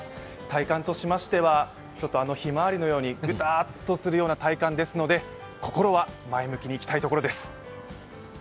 体感としましては、あのひまわりのようにグターっとするような体感ですので、心は前向きにいきたいところです。